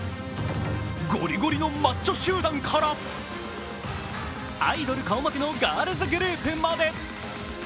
ゴリゴリのマッチョ集団からアイドル顔負けのガールズグループまで。